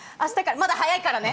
まだ早いからね！